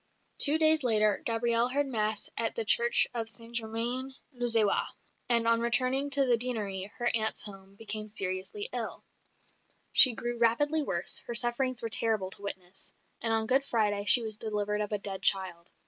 Two days later Gabrielle heard Mass at the Church of St Germain l'Auxerrois; and on returning to the Deanery, her aunt's home, became seriously ill. She grew rapidly worse; her sufferings were terrible to witness; and on Good Friday she was delivered of a dead child.